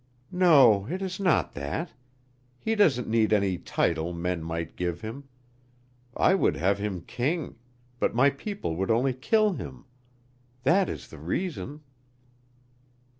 "No, it is not that. He doesn't need any title men might give him. I would have him King but my people would only kill him. That is the reason."